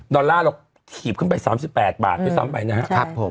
ดอลลาร์เราขีบขึ้นไป๓๘บาทไม่ซ้ำไปนะครับ